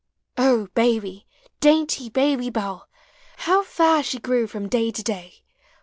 O, Baby, dainty Baby Bell, \ How fair she grew from day to day!